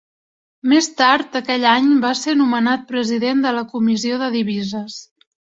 Més tard aquell any va ser nomenat president de la Comissió de divises.